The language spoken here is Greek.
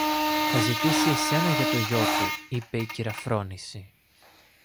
Θα ζητήσει εσένα για το γιο του, είπε η κυρα-Φρόνηση.